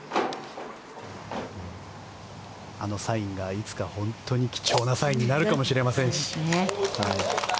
あのサインがいつか本当に貴重なサインになるかもしれません。